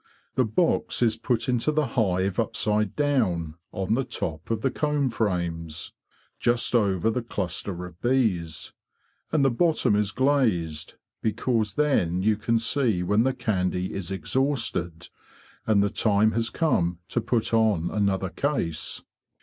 The box is put into the hive upside down on the top of the comb frames, just over the cluster of bees; and the bottom is glazed because then you can see when the candy is exhausted, and the time has come to put on another case.